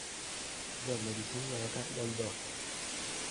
Venne disegnata dal Dott.